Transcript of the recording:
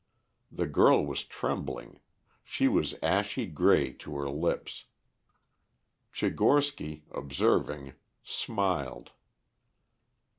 The girl was trembling; she was ashy grey to her lips. Tchigorsky, observing, smiled.